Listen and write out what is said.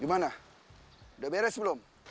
gimana udah meres belum